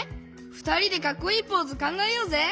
ふたりでかっこいいポーズかんがえようぜ！